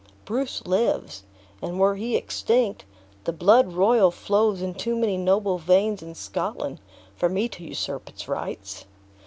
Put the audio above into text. Bruce lives. And were he extinct, the blood royal flows in too many noble veins in Scotland for me to usurp its rights."